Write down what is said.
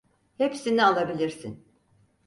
Hepsini alabilirsin.